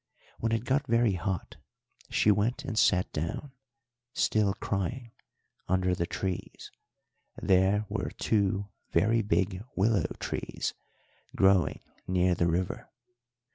When it got very hot she went and sat down, still crying, under the trees; there were two very big willow trees growing near the river.